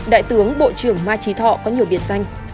đại tướng bộ trưởng mai trí thọ có nhiều biệt danh